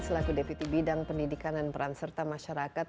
selaku deputi bidang pendidikan dan peran serta masyarakat